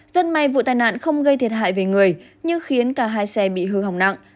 rất may vụ tai nạn không gây thiệt hại về người nhưng khiến cả hai xe bị hư hỏng nặng